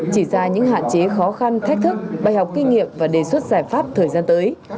chỉ ra những hạn chế khó khăn thách thức bài học kinh nghiệm và đề xuất giải pháp thời gian tới